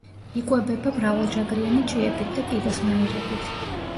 იკვებება მრავალჯაგრიანი ჭიებით და კიბოსნაირებით.